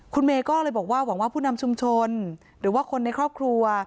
คุณเมย์ก็เลยบอกว่าหวังว่าผู้นำชุมชนหรือว่าคนในครอบครัว